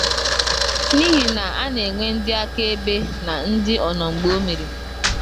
n'ihi na a na-enwe ndị akaebe na ndị ọnọmgbeomere